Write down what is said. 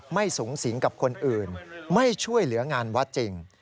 ไม่สูงสิงกับคนอื่นไม่ช่วยเหลืองานวัดจริง